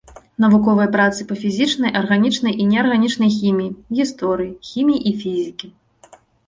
Навуковыя працы па фізічнай, арганічнай і неарганічнай хіміі, гісторыі хіміі і фізікі.